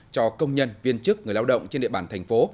cho công nhân viên chức người lao động trên địa bàn thành phố